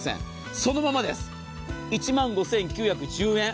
そのまま１万５９１０円